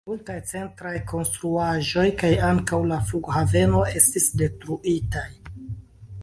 Multaj centraj konstruaĵoj kaj ankaŭ la flughaveno estis detruitaj.